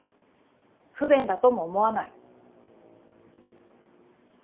不便だとも思わない。